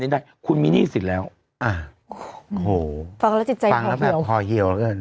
โอ้โหฟังแล้วจิตใจพอเหี่ยว